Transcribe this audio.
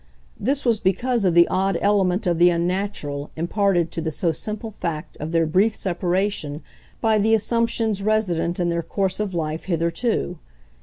This was because of the odd element of the unnatural imparted to the so simple fact of their brief separation by the assumptions resident in their course of life hitherto.